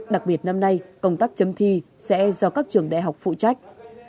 đặc biệt năm nay công tác chấm thi sẽ do các trường đại học phụ trách